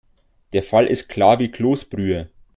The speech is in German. Der Fall ist klar wie Kloßbrühe.